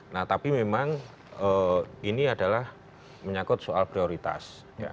nah tapi memang ini adalah menyangkut soal prioritas